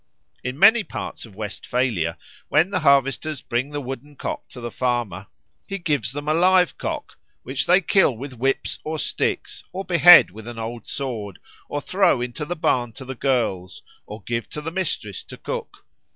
In many parts of Westphalia, when the harvesters bring the wooden cock to the farmer, he gives them a live cock, which they kill with whips or sticks, or behead with an old sword, or throw into the barn to the girls, or give to the mistress to cook.